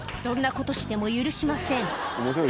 そんなことしても許しません